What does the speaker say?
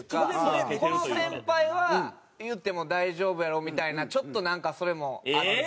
この先輩は言っても大丈夫やろみたいなちょっとなんかそれもあって。